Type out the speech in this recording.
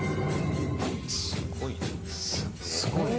すごいな。